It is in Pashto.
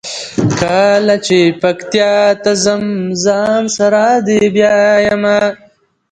کله چې پکتیا ته ځم ځان سره دې بیایمه.